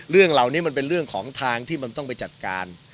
เรื่องเหล่านี้มันเป็นเรื่องของทางที่มันต้องไปจัดการ